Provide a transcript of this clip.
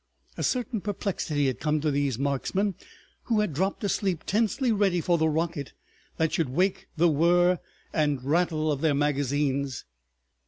A certain perplexity had come to these marksmen, who had dropped asleep tensely ready for the rocket that should wake the whirr and rattle of their magazines.